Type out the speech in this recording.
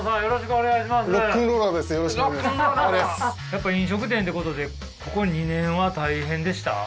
やっぱ飲食店ってことでここ２年は大変でした？